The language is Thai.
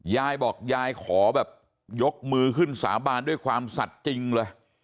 ยายบอกยายขอแบบยกมือขึ้นสาบานด้วยความสัตว์จริงเลย